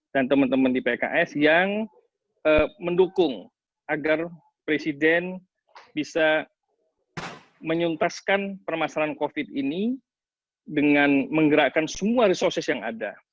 dan teman teman di pks yang mendukung agar presiden bisa menyuntaskan permasalahan covid ini dengan menggerakkan semua resources yang ada